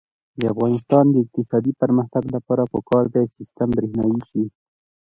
د افغانستان د اقتصادي پرمختګ لپاره پکار ده چې سیستم برښنايي شي.